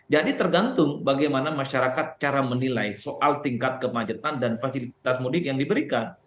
tergantung bagaimana masyarakat cara menilai soal tingkat kemacetan dan fasilitas mudik yang diberikan